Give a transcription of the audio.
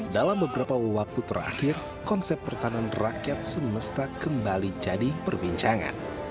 dalam beberapa waktu terakhir konsep pertahanan rakyat semesta kembali jadi perbincangan